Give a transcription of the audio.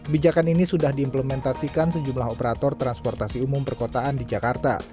bijakan ini sudah diimplementasikan sejumlah operator transportasi umum perkotaan di jakarta